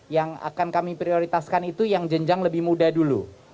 yang akan kami prioritaskan itu yang jenjang lebih muda dulu